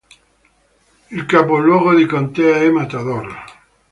Il capoluogo di contea è Matador.